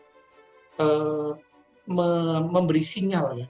karena kita harus memberi sinyal kepada negara